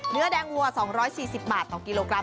เนื้อแดงวัว๒๔๐บาทต่อกิโลกรัม